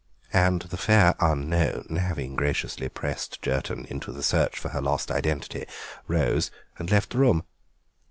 And the Fair Unknown, having graciously pressed Jerton into the search for her lost identity, rose and left the room.